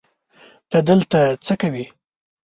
ته دلته څه کوې؟